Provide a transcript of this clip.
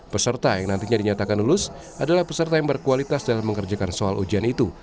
peserta yang nantinya dinyatakan lulus adalah peserta yang berkualitas dalam mengerjakan soal ujian itu